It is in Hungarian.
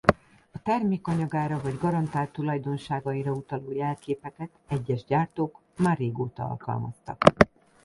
A termék anyagára vagy garantált tulajdonságaira utaló jelképeket egyes gyártók már régóta alkalmaztak.